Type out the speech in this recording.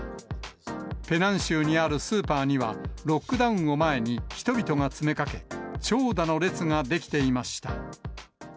ペナン州にあるスーパーには、ロックダウンを前に人々が詰めかけ、長蛇の列が出来ていました。